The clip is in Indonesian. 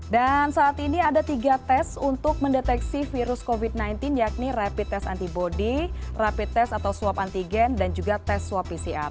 dan saat ini ada tiga tes untuk mendeteksi virus covid sembilan belas yakni rapid test antibody rapid test atau swab antigen dan juga tes swab pcr